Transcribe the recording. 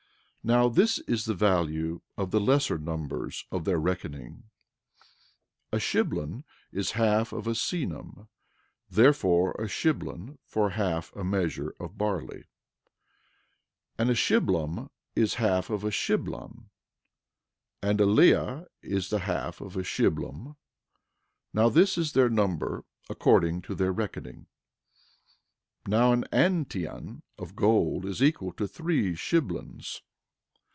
11:14 Now this is the value of the lesser numbers of their reckoning— 11:15 A shiblon is half of a senum; therefore, a shiblon for half a measure of barley. 11:16 And a shiblum is a half of a shiblon. 11:17 And a leah is the half of a shiblum. 11:18 Now this is their number, according to their reckoning. 11:19 Now an antion of gold is equal to three shiblons.